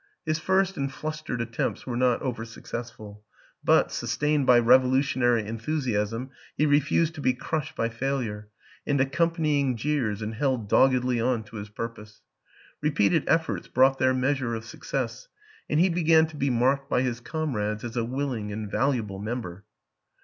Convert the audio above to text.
His first and flustered attempts were not over successful, but, sustained by revolutionary enthusiasm, he refused to be crushed by failure and accompanying jeers and held doggedly on to his purpose. Repeated efforts brought their measure of success, and he began to be marked by his comrades as a willing and valuable mem ber.